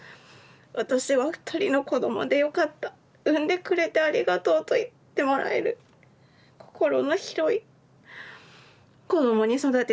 私は二人の子供で良かった生んでくれてありがとうと言ってもらえる心の広い子供に育てて下さいね